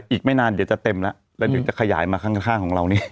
อีกไม่นานเดี๋ยวจะเต็มแล้วแล้วเดี๋ยวจะขยายมาข้างของเรานี่